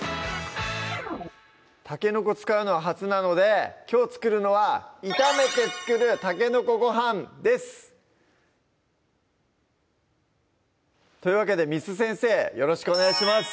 たけのこ使うのは初なのできょう作るのは「炒めて作る筍ごはん」ですというわけで簾先生よろしくお願いします